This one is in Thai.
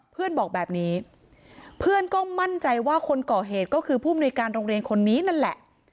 เพื่อนบอกแบบนี้เพื่อนก็มั่นใจว่าคนก่อเหตุก็คือผู้มนุยการโรงเรียนคนนี้นั่นแหละ